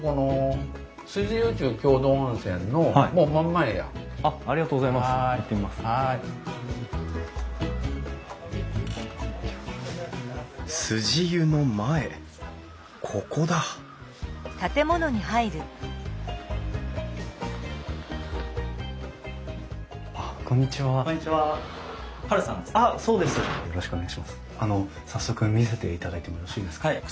あの早速見せていただいてもよろしいですか？